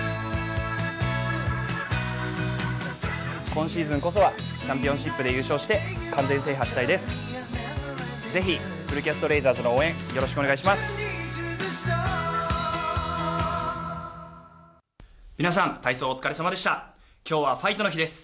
今シーズンこそはチャンピオンシップで優勝して完全制覇したいです。